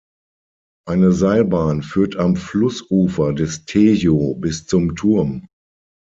Eine Seilbahn führt am Flussufer des Tejo bis zum Turm.